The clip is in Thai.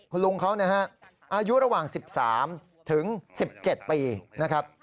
คุณลุงเขานะฮะอายุระหว่าง๑๓ถึง๑๗ปีนะครับ